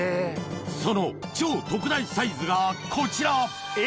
その超特大サイズがこちらえ！